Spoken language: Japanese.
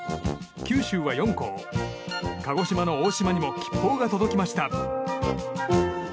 九州は４校、鹿児島の大島にも吉報が届きました。